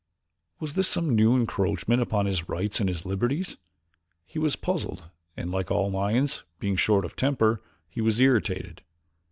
Was this some new encroachment upon his rights and his liberties? He was puzzled and, like all lions, being short of temper, he was irritated.